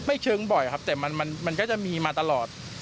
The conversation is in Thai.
เชิงบ่อยครับแต่มันก็จะมีมาตลอด